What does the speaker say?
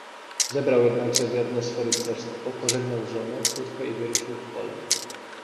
"Zebrał jednakże wierne swe rycerstwo, pożegnał żonę, córkę i wyruszył w pole."